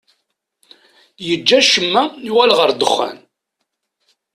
Iǧǧa ccemma, yuɣal ɣer ddexxan.